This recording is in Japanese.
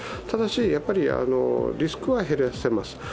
ただしリスクは減らせます。